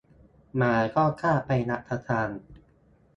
หมาก็คาบไปรับประทาน